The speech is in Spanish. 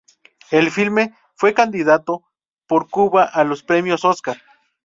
El filme fue candidato por Cuba a los Premios Óscar.